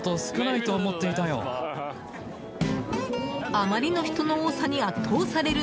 あまりの人の多さに圧倒される